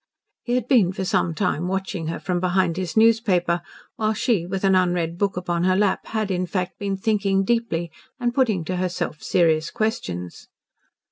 He had been for some time watching her from behind his newspaper, while she, with an unread book upon her lap, had, in fact, been thinking deeply and putting to herself serious questions.